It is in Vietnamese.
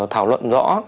thảo luận rõ